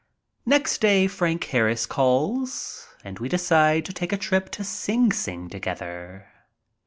Next day Frank Harris calls and we decide to take a trip to Sing Sing together.